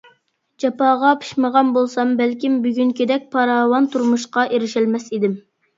جاپاغا پىشمىغان بولسام بەلكىم بۈگۈنكىدەك پاراۋان تۇرمۇشقا ئېرىشەلمەس ئىدىم.